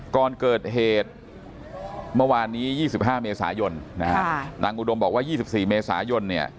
ก่อนเกิดเหตุเมื่อวานนี้๒๕เมษายนนะฮะนางอุดมบอกว่า๒๔เมษายนเนี่ย